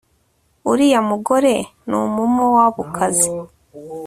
uriya mugore ni umumowabukazi